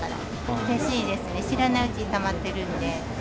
うれしいですね、知らないうちにたまってるので。